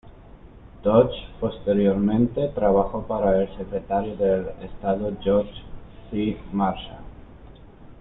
Dodge, posteriormente, trabajó para el secretario de Estado George C. Marshall.